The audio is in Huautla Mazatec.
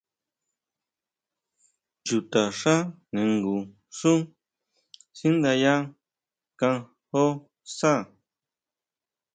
Chutaxá ningun xú sinyánda kanjó saá.